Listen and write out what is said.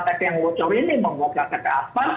dan kita sudah rata ke dampaknya dampaknya apa